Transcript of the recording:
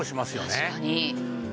確かに。